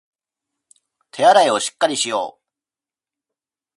手洗いをしっかりしよう